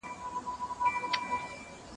غر که لوړ دئ، پر سر ئې لار ده.